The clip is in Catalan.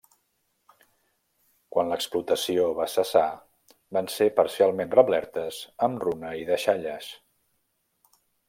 Quan l'explotació va cessar van ser parcialment reblertes amb runa i deixalles.